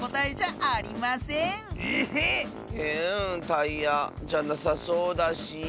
タイヤじゃなさそうだし。